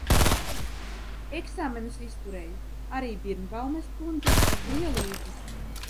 Eksāmenus izturēju, arī Birnbaumes kundze, kas bija līdzi.